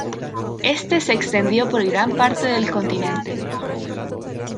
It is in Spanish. Éste se extendió por gran parte del continente.